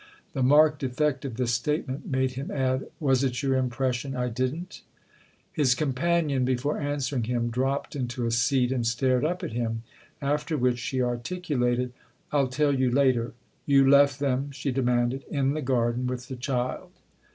The marked effect of this statement made him add :" Was it your impression I didn't ?" His companion, before answering him, dropped into a seat and stared up at him ; after which she articulated :" I'll tell you later. You left them," she demanded, " in the garden with the child